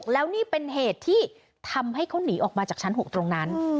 แล้วนี่เป็นเหตุที่ทำให้เขาหนีออกมาจากชั้น๖ตรงนั้น